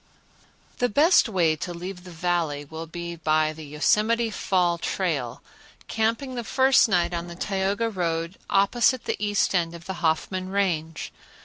The best way to leave the Valley will be by the Yosemite Fall trail, camping the first night on the Tioga road opposite the east end of the Hoffman Range.